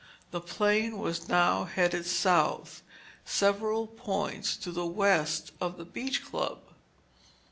The plane was now headed south, several points to the west of the Beach Club.